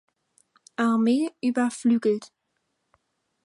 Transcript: Armee überflügelt.